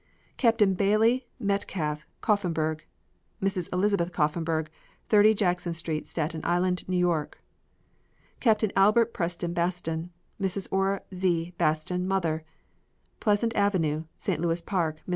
Captain Bailey Metcalf Coffenberg; Mrs. Elizabeth Coffenberg, 30 Jackson St., Staten Island, N. Y. Captain Albert Preston Baston; Mrs. Ora Z. Baston, mother; Pleasant Avenue, St. Louis Park, Minn.